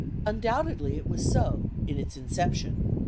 Undoubtedly it was so, in its inception.